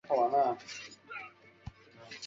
为三国时期蜀汉重要将领张飞之长女。